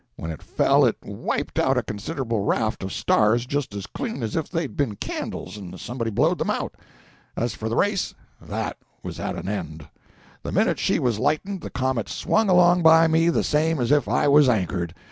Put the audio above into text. When it fell it wiped out a considerable raft of stars just as clean as if they'd been candles and somebody blowed them out. As for the race, that was at an end. The minute she was lightened the comet swung along by me the same as if I was anchored.